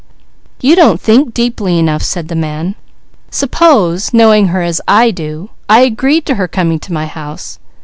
"You don't think deeply enough!" said the man. "Suppose, knowing her as I do, I agreed to her coming to my house.